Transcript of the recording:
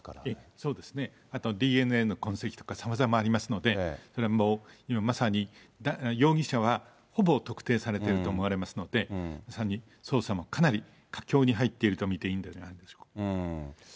そうですね、あと、ＤＮＡの痕跡とか、さまざまありますので、今まさに、容疑者は、ほぼ特定されていると思われますので、まさに捜査もかなり佳境に入っていると見ていいんじゃないでしょうか。